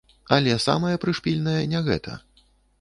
Але самае прышпільнае не гэта.